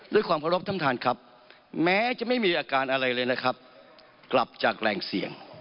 ด้วยความเคารพท่านท่านครับแม้จะไม่มีอาการอะไรเลยนะครับกลับจากแรงเสี่ยง